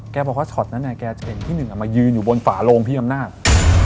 บอกว่าช็อตนั้นแกจะเห็นพี่หนึ่งมายืนอยู่บนฝาโลงพี่อำนาจ